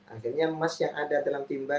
akhirnya emas yang ada dalam timba